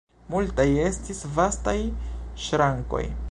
Multaj estis vastaj ŝrankoj.